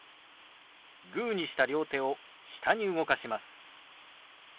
グーにした両手を下に動かします。